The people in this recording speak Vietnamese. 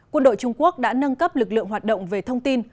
quân đội trung quốc đã nâng cấp lực lượng hoạt động về thông tin